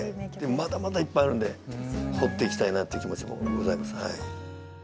まだまだいっぱいあるんで掘っていきたいなっていう気持ちもございます。